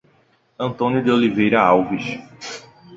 Antônio de Oliveira Alves